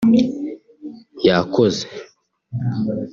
yakoze